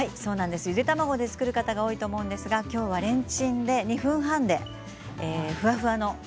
ゆで卵で作る方が多いと思うんですがきょうはレンチンで２分半でふわふわ。